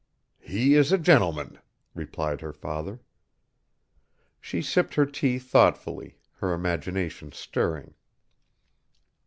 "He is a gentleman," replied her father. She sipped her tea thoughtfully, her imagination stirring.